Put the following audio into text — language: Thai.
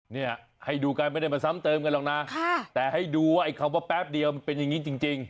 เนี่ยให้ดูกันไม่ได้มาซ้ำเติมกันหรอกนะแต่ให้ดูว่าไอ้คำว่าแป๊บเดียวมันเป็นอย่างนี้จริง